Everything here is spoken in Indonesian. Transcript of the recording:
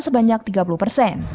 sebanyak tiga puluh persen